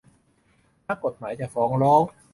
นักกฎหมายจะฟ้องร้อง